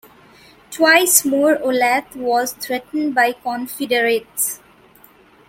Twice more Olathe was threatened by Confederates.